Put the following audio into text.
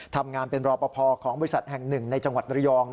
ทำงานเป็นรอปภของบริษัทแห่งหนึ่งในจังหวัดระยอง